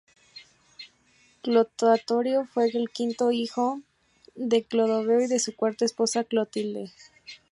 Clotario fue el quinto hijo de Clodoveo y de su cuarta esposa, Clotilde.